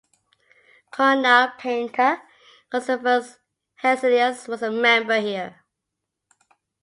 Colonial painter Gustavus Hesselius was a member here.